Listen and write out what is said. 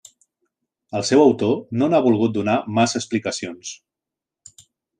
El seu autor no n'ha volgut donar massa explicacions.